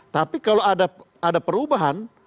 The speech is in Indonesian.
tapi kalau ada perubahan